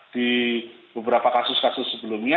di beberapa kasus kasus sebelumnya